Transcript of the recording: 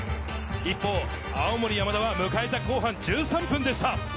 一方、青森山田は迎えた後半１３分でした。